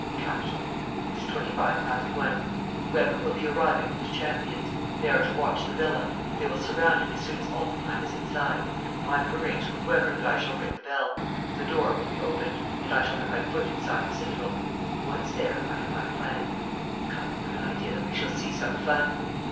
"Capital! It is twenty five past one. Weber will be arriving with his champions. They are to watch the villa. They will surround it as soon as Altenheim is inside. I have arranged with Weber that I shall ring the bell; the door will be opened; and I shall have my foot inside the citadel. Once there, I have my plan. Come, I've an idea that we shall see some fun."